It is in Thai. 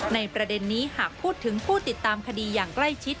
ประเด็นนี้หากพูดถึงผู้ติดตามคดีอย่างใกล้ชิด